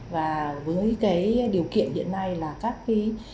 và với cái điều kiện hiện nay là các cái